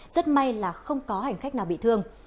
rất may là không có hành khách nào bị thương